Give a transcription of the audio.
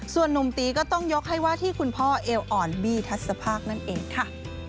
ส่วนนุ่มตีก็ต้องยกให้ว่าที่คุณพ่อเอวอ่อนบี้ทัศภาคนั่นเองค่ะ